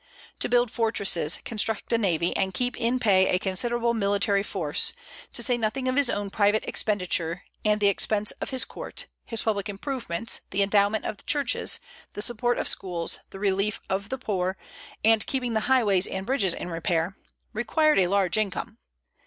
To build fortresses, construct a navy, and keep in pay a considerable military force, to say nothing of his own private expenditure and the expense of his court, his public improvements, the endowment of churches, the support of schools, the relief of the poor, and keeping the highways and bridges in repair, required a large income.